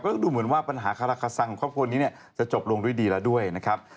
ก็ดูเหมือนว่าปัญหาคาราคาซังของครอบครัวนี้เนี่ยจะจบลงด้วยดีแล้วด้วยนะครับ